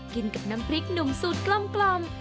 กินกับน้ำพริกหนุ่มสูตรกลม